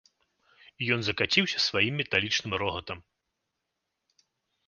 І ён закаціўся сваім металічным рогатам.